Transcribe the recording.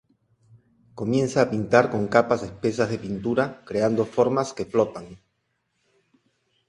Comienza a pintar con capas espesas de pintura creando formas que flotan.